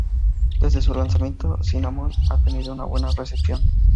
Desde su lanzamiento, Cinnamon ha tenido una buena recepción.